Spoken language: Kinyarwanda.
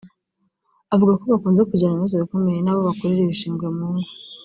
Avuga ko bakunze kugirana ibibazo bikomeye n’abo bakurira ibishingwe mu ngo